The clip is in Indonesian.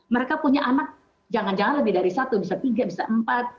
mereka punya anak jangan jangan lebih dari satu bisa tiga bisa empat